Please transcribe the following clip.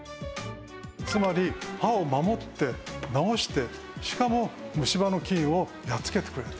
つまり歯を守って治してしかも虫歯の菌をやっつけてくれると。